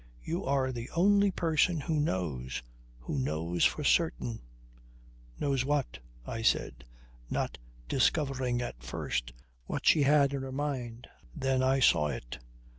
You are the only person who knows ... who knows for certain ..." "Knows what?" I said, not discovering at first what she had in her mind. Then I saw it.